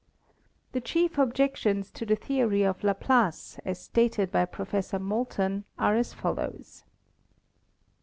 The chief objections to the theory of Laplace, as stated by Professor Moulton, are as follows: "i.